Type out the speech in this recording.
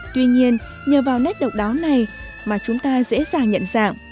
tuy nhiên nhờ vào nét độc đáo này mà chúng ta dễ dàng nhận dạng